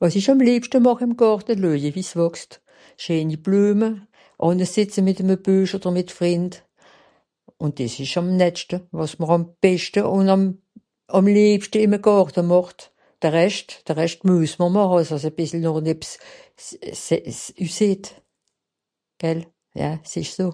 Wàs ìch àm lìebschte màch ìm Gàrte, lüeje, wie s'wàchst. Scheeni Blueme, ànnesìtze mìt'eme Buech odder mìt Frìnd, Ùn dìs ìsch àm nettschte, wàs m'r àm beschte ùn àm... àm lìebschte ìm e Gàrte màcht. De Rescht, de Rescht mues m'r màche, àss es e bìssel noch-n-ebbs s... s... s... üsseht, gell, ja, s'ìsch so.